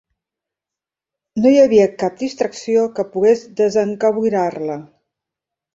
No hi havia cap distracció que pogués desencaboriar-la.